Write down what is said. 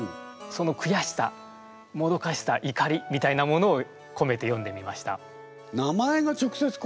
そのくやしさもどかしさ怒りみたいなものをこめて詠んでみました。